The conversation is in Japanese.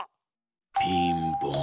ピンポーン。